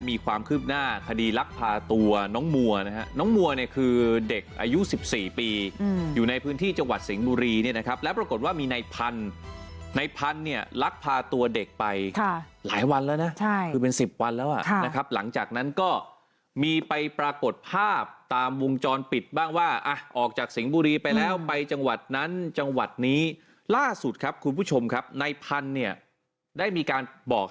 มีความคืบหน้าคดีลักพาตัวน้องมัวนี่คือเด็กอายุ๑๔ปีอยู่ในพื้นที่จังหวัดสิงบุรีนะครับและปรากฏว่ามีในพันธุ์ในพันธุ์เนี่ยลักพาตัวเด็กไปลายวันแล้วนะคือเป็น๑๐วันแล้วนะครับหลังจากนั้นก็มีไปปรากฏภาพตามวงจรปิดบ้างว่าออกจากสิงบุรีไปแล้วไปจังหวัดนั้นจังหวัดนี้ล่าสุดคร